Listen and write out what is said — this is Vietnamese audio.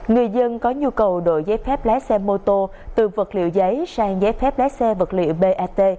người dân có nhu cầu đổi giấy phép lái xe mô tô từ vật liệu giấy sang giấy phép lái xe vật liệu bat